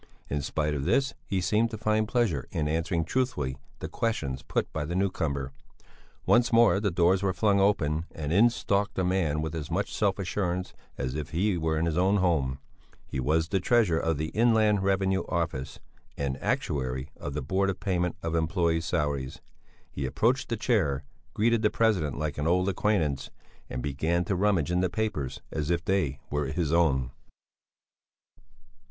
In spite of this he seemed to find pleasure in answering truthfully the questions put by the newcomer. Once more the doors were flung open and in stalked a man with as much self assurance as if he were in his own home: he was the treasurer of the Inland Revenue Office and actuary of the Board of Payment of Employés' Salaries; he approached the chair, greeted the president like an old acquaintance and began to rummage in the papers as if they were his own.